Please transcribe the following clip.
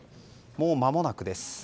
もうまもなくです。